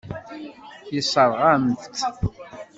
Yessṛeɣ-am-tt.